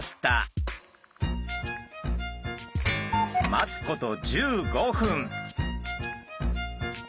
待つこと１５分。